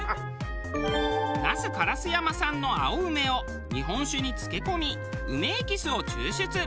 那須烏山産の青梅を日本酒に漬け込み梅エキスを抽出。